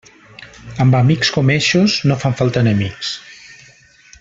Amb amics com eixos, no fan falta enemics.